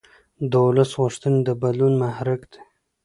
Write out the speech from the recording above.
د ولس غوښتنې د بدلون محرک دي